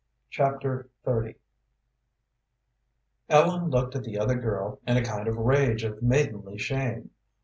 Chapter XXX Ellen looked at the other girl in a kind of rage of maidenly shame.